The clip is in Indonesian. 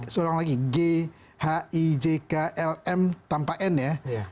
seorang lagi g h i j k l m tanpa n ya